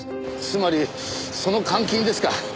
つまりその監禁ですか。